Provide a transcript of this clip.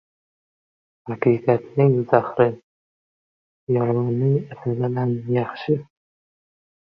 • Haqiqatning zahri, yolg‘onning asalidan yaxshi.